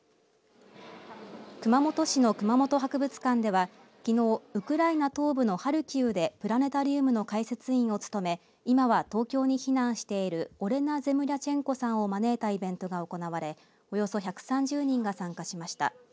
熊本市の熊本博物館ではきのう、ウクライナ東部のハルキウでプラネタリウムの解説委員を務め今は東京に避難しているオレナ・ゼムリャチェンコさんを招いたイベントが行われおよそ１３０人が参加しました。